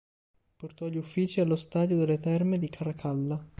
Portò gli uffici allo Stadio delle Terme di Caracalla.